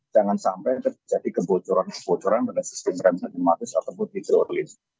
jangan sampai terjadi kebocoran kebocoran pada sistem rem senimantis ataupun hidrolis